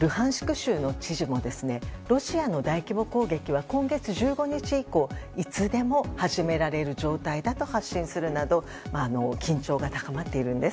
州の知事もロシアの大規模攻撃は今月１５日以降いつでも始められる状態だと発信するなど緊張が高まっているんです。